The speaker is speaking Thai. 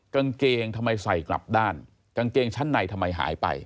กางเกงทำไมใส่กลับด้านกางเกงชั้นในทำไมหายไป